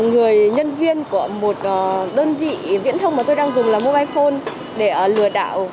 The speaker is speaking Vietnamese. người nhân viên của một đơn vị viễn thông mà tôi đang dùng là mobile phone để lừa đảo